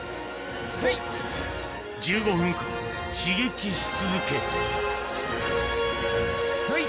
１５分間刺激し続けほい！